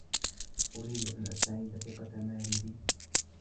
أريد أن أستعيد ثقة ماري بي.